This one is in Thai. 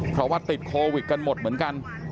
เพราะว่าติดโควิดกันหมดเหมือนกัน